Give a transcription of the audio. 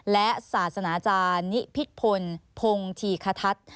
และศาสนาอาจารย์นิพิษพลพงธีคทัศน์